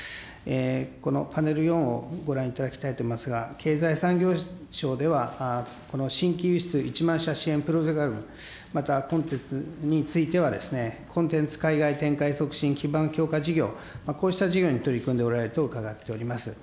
このパネル４をご覧いただきたいと思いますが、経済産業省では、この新規輸出１万社支援プログラム、またコンテンツについては、コンテンツ海外展開促進基盤強化事業、こうした事業に取り組んでおられると伺っております。